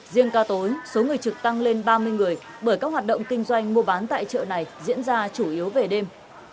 riêng ca tối số người trực tăng lên ba mươi người bởi các hoạt động kinh doanh mua bán tại chợ này diễn ra chủ yếu về đêm